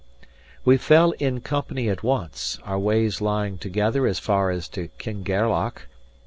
We fell in company at once, our ways lying together as far as to Kingairloch.